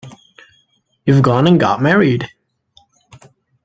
You've gone and got married!